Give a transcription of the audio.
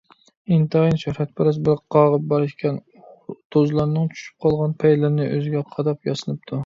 ئىنتايىن شۆھرەتپەرەس بىر قاغا بار ئىكەن. ئۇ توزلارنىڭ چۈشۈپ قالغان پەيلىرىنى ئۆزىگە قاداپ ياسىنىپتۇ.